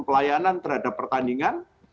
pelayanan terhadap pertandingan